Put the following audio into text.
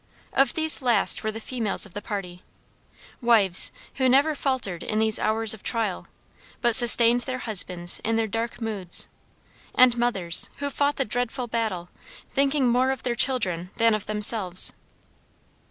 Of these last were the females of the party wives, who never faltered in these hours of trial, but sustained their husbands in their dark moods; and mothers, who fought the dreadful battle, thinking more of their children than of themselves.